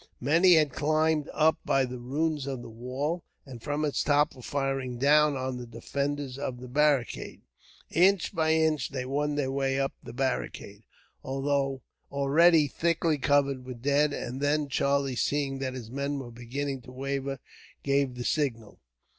Many had climbed up by the ruins of the wall, and from its top were firing down on the defenders of the barricade. Inch by inch they won their way up the barricade, already thickly covered with dead; and then Charlie, seeing that his men were beginning to waver, gave the signal.